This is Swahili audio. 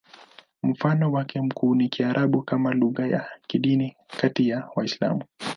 Mfano wake mkuu ni Kiarabu kama lugha ya kidini kati ya Waislamu.